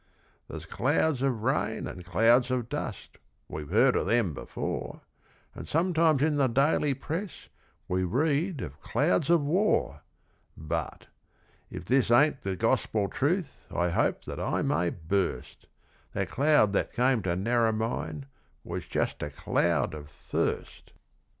'There's clouds of rain and clouds of dust we'd heard of them before, And sometimes in the daily press we read of "clouds of war": But if this ain't the Gospel truth I hope that I may burst That cloud that came to Narromine was just a cloud of thirst.